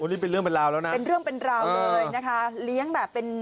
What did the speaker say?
อันนี้เป็นเรื่องเป็นราวแล้วนะเป็นเรื่องเป็นราวเลยนะคะ